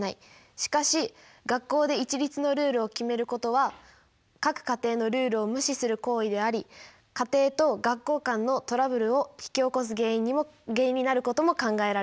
しかし学校で一律のルールを決めることは各家庭のルールを無視する行為であり家庭と学校間のトラブルを引き起こす原因になることも考えられる。